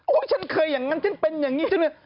โอ้ยฉันเคยอย่างนั้นฉันเป็นอย่างนี้